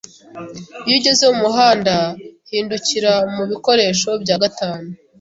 Iyo ugeze mumuhanda, hindukira mubikoresho bya gatanu.